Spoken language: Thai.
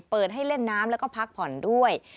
เปิดให้เล่นน้ำแล้วก็พักผ่อนด้วย